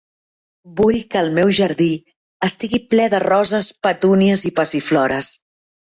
Vull que el meu jardí estigui ple de roses, petúnies i passiflores.